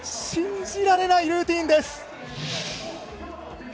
信じられないルーティンです！